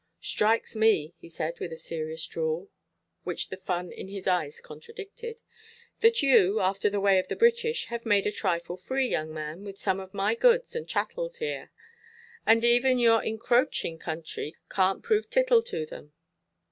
"Strikes me," he said, with a serious drawl, which the fun in his eyes contradicted, "that yoo, after the way of the British, have made a trifle free, young man, with some of my goods and chattels he–ar; and even yoor encro–aching country canʼt prove tittle to them."